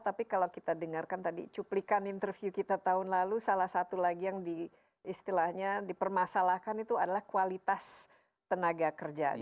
tapi kalau kita dengarkan tadi cuplikan interview kita tahun lalu salah satu lagi yang diistilahnya dipermasalahkan itu adalah kualitas tenaga kerjanya